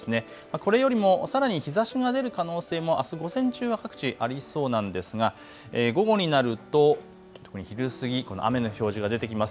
これよりもさらに日ざしの出る可能性もあす午前中は各地ありそうなんですが午後になると昼過ぎから雨の表示が出ています。